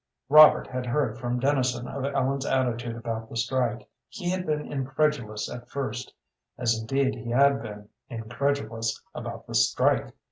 Robert had heard from Dennison of Ellen's attitude about the strike. He had been incredulous at first, as indeed he had been incredulous about the strike.